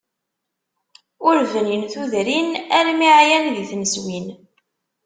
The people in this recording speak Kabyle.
Ur bnin tudrin, armi ɛyan di tneswin.